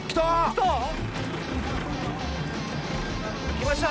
きました。